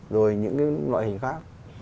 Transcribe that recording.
rồi những loại hình khác